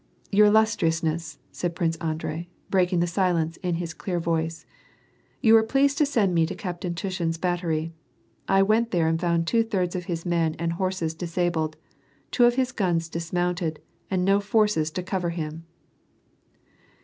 " Your illustriousness," said Prince Andrei, breaking the silence, in his clear voice :You were pleased to send me to Captain Tushin's battery. I went there and found two thirds of his men and horses disabled, two of his guns dismounted, and no forces to cover him